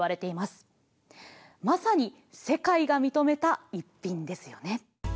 まさに世界が認めた一品ですよね。